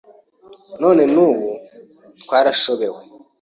None n'ubu twarashobewe.